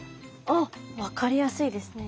あっ分かりやすいですね。